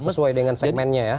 sesuai dengan segmennya ya